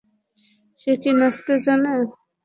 সে কি নাচতে জানে?